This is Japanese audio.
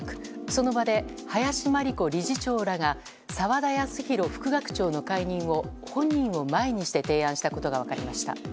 その場で林真理子理事長らが澤田康広副学長の解任を本人を前にして提案したことが分かりました。